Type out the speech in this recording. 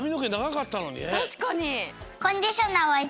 たしかに。